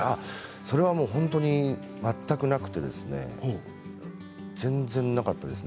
それはもう本当に全くなくて全然なかったです。